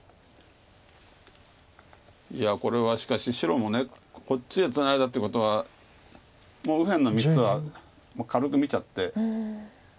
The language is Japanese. いやこれはしかし白もこっちへツナいだってことはもう右辺の３つは軽く見ちゃって。